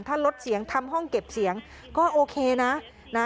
ถ้าลดเสียงทำห้องเก็บเสียงก็โอเคนะนะ